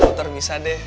motor bisa deh